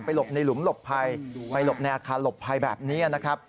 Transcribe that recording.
หลบในหลุมหลบภัยไปหลบในอาคารหลบภัยแบบนี้นะครับ